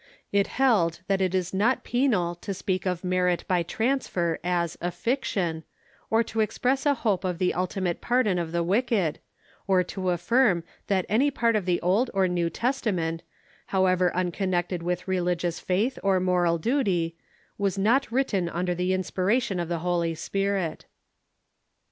It held that it is not penal to speak of merit by transfer as a "fiction," or to express a hope of the ultimate pardon of the Avicked, or to afHrm that any part of the Old or New Testament, however unconnected Avith religious faith or moral duty, Avas not Avritten under the inspiration of the H0I3'" Spirit.